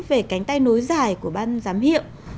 về cánh tay nối dài của ban giám hiệu